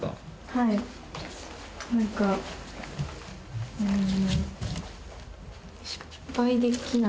はい何かうん